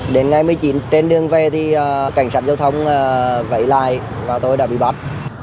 đến ngày một mươi chín trên đường về thì cảnh sát giao thông vẫy lại và tôi đã bị bắt